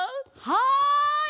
はい！